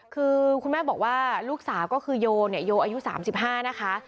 คือคุณแม่บอกว่าลูกสาวก็คือโยเนี่ยโยอายุ๓๕นะคะ